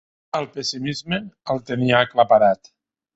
El pessimisme el tenia aclaparat.